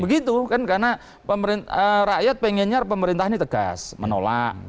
begitu kan karena rakyat pengennya pemerintah ini tegas menolak